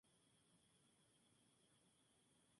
Las semillas son pequeñas de color negruzco.